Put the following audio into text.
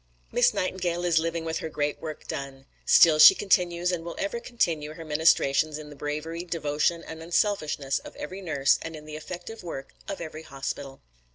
Miss Nightingale is living with her great work done. Still she continues and will ever continue, her ministrations in the bravery, devotion and unselfishness of every nurse and in the effective work of every hospital.